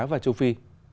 và châu phi